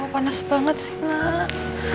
panas banget sih mak